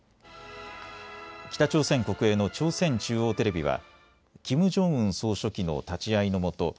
北朝鮮国営の朝鮮中央テレビはキム・ジョンウン総書記の立ち会いのもと